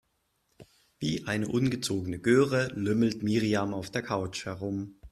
Wie eine ungezogene Göre lümmelt Miriam auf der Couch herum.